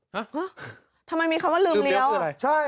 ฮะทำไมมีคำว่าลืมเลี้ยวลืมเลี้ยวคืออะไร